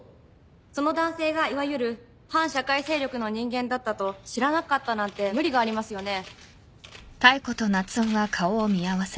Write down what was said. その男性がいわゆる反社会勢力の人間だったと知らなかったなんて無理がありますよね？